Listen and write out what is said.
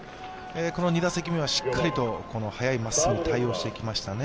この２打席目はしっかりと速いまっすぐ、対応してきましたね